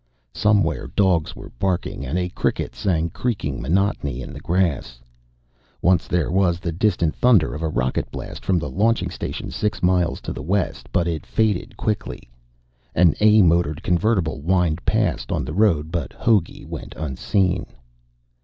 Somewhere dogs were barking, and a cricket sang creaking monotony in the grass. Once there was the distant thunder of a rocket blast from the launching station six miles to the west, but it faded quickly. An A motored convertible whined past on the road, but Hogey went unseen.